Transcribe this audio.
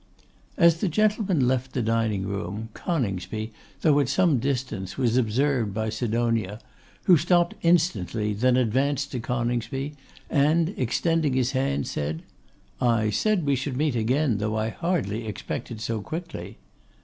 As the gentlemen left the dining room, Coningsby, though at some distance, was observed by Sidonia, who stopped instantly, then advanced to Coningsby, and extending his hand said, 'I said we should meet again, though I hardly expected so quickly.